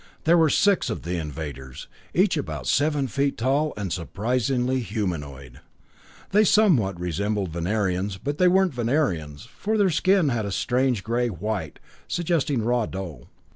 There were six of the invaders, each about seven feet tall, and surprisingly humanoid. They somewhat resembled Venerians, but they weren't Venerians, for their skin was a strange gray white, suggesting raw dough.